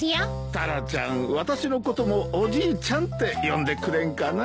タラちゃん私のこともおじいちゃんって呼んでくれんかな？